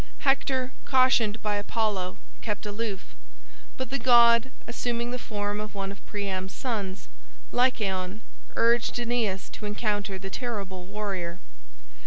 Hector, cautioned by Apollo, kept aloof; but the god, assuming the form of one of Priam's sons, Lycaon, urged Aeneas to encounter the terrible warrior.